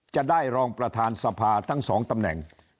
จะได้รองประธานสภาทั้งสองตำแหน่ง